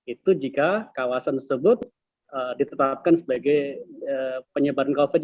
itu jika kawasan tersebut ditetapkan sebagai penyebaran covid sembilan belas